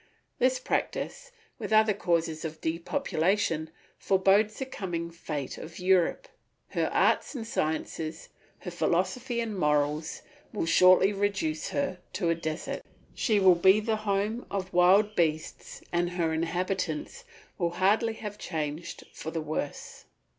This practice, with other causes of depopulation, forbodes the coming fate of Europe. Her arts and sciences, her philosophy and morals, will shortly reduce her to a desert. She will be the home of wild beasts, and her inhabitants will hardly have changed for the worse.